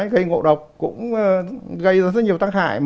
gây ngộ độc cũng gây ra rất nhiều tác hại